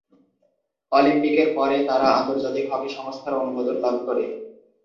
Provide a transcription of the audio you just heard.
অলিম্পিকের পরে তাঁরা আন্তর্জাতিক হকি সংস্থার অনুমোদন লাভ করে।